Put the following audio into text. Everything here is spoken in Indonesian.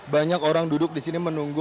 banyak orang duduk di sini menunggu